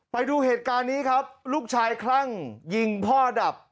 ไปดูเหตุการณ์นี้ครับลูกชายคลั่งยิงพ่อดับ